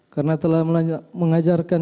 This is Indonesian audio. karena telah mengajarkan